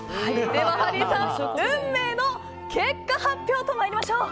ではハリーさん運命の結果発表と参りましょう。